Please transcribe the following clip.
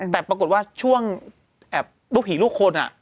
แต่ปรากฏว่าช่วงแอบลูกผีลูกคน